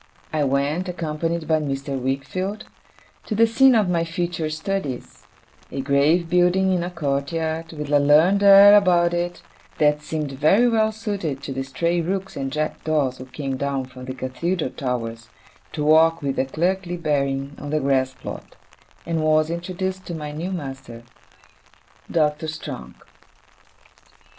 I went, accompanied by Mr. Wickfield, to the scene of my future studies a grave building in a courtyard, with a learned air about it that seemed very well suited to the stray rooks and jackdaws who came down from the Cathedral towers to walk with a clerkly bearing on the grass plot and was introduced to my new master, Doctor Strong.